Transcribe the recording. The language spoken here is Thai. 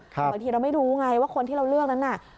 แต่บางทีเราไม่รู้ไงว่าคนที่เราเลือกนั้นน่ะ